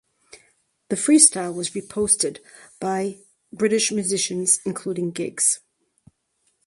The freestyle was reposted by British musicians including Giggs.